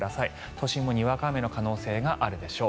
都心もにわか雨の可能性があるでしょう。